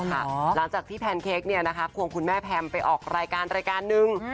หลังจากที่แพนเค้กควงคุณแม่แพมไปออกรายการรายการนึง